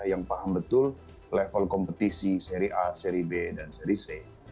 yang paham betul level kompetisi seri a seri b dan seri c